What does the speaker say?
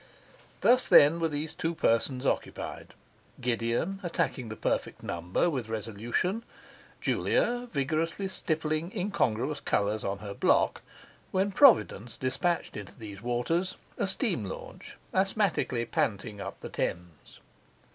Thus, then, were these two young persons occupied Gideon attacking the perfect number with resolution; Julia vigorously stippling incongruous colours on her block, when Providence dispatched into these waters a steam launch asthmatically panting up the Thames.